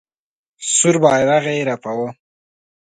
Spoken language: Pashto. سور بیرغ یې رپاوه.